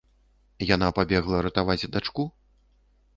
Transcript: Яна пабегла ратаваць дачку?